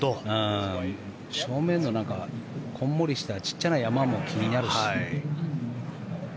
正面のこんもりしたちっちゃな山も気になるし。